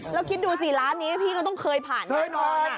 เราคิดดูสิร้านนี้พี่ก็เคยผ่านก่อน